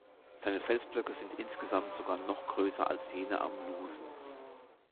Seine Felsblöcke sind insgesamt sogar noch größer als jene am Lusen.